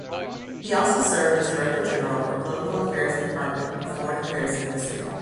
He also served as director general for political affairs department of Foreign Affairs ministry.